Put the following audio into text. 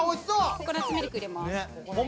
ココナッツミルク入れます。